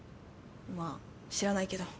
まあ知らないけど。